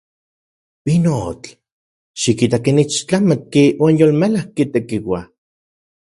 ¡Pinotl! ¡Xikita ken ixtlamatki uan yolmelajki tekiua!